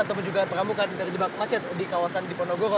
ataupun juga pramuka terjebak kemacet di kawasan jiponogoro